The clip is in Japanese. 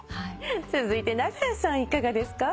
続いて長屋さんいかがですか？